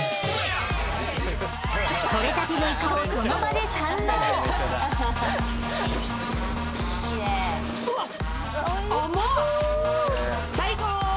とれたてのイカをその場で堪能うわっ